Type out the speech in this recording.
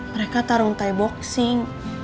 mereka tarung thai boxing